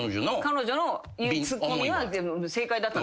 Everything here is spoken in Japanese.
彼女のツッコミは正解だったんですね？